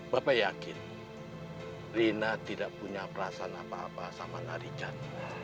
bapak yakin rina tidak punya perasaan apa apa sama richard